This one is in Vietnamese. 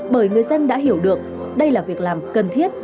bởi người dân đã hiểu được đây là việc làm cần thiết